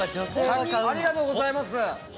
ありがとうございます。